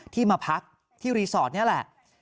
ที่มาพักที่รีสอร์ทนี่แหละ